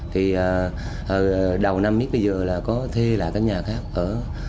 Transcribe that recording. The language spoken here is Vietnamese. thì đầu năm biết bây giờ là có thê lại cái nhà khác ở